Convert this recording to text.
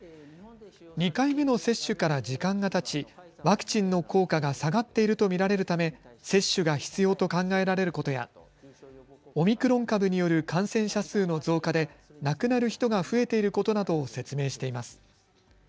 ２回目の接種から時間がたちワクチンの効果が下がっていると見られるため接種が必要と考えられることやオミクロン株による感染者数の増加で亡くなる人が増えていることなどを説明しています。